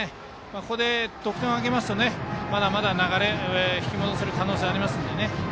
ここで得点を挙げますとまだまだ流れを引き戻せる可能性がありますので。